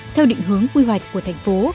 theo định hướng quy hoạch của thành phố